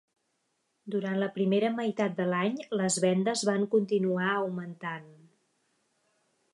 Durant la primera meitat de l'any les vendes va continuant augmentant.